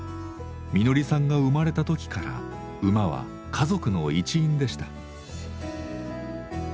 みのりさんが生まれた時から馬は家族の一員でした。